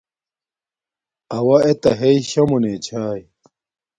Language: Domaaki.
اوݳ اݵتݳ ہݵئ شݳ مُنݺ چھݳئی.